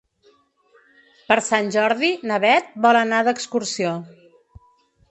Per Sant Jordi na Bet vol anar d'excursió.